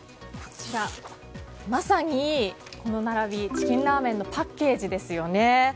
まさにこの並びチキンラーメンのパッケージですよね。